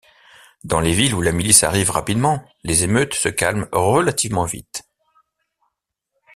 Dans les villes ou la milice arrive rapidement, les émeutes se calment relativement vite.